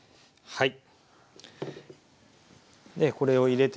はい。